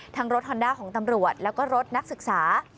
รถฮอนด้าของตำรวจแล้วก็รถนักศึกษา